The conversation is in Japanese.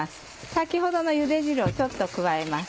先ほどのゆで汁をちょっと加えます。